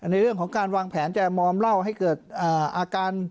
ในเรื่องของการวางแผนจะมอมเหล้าให้เกิดอาการ